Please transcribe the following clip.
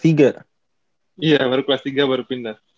iya baru kelas tiga baru pindah